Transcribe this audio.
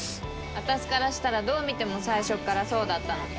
私からしたらどう見ても最初っからそうだったのに。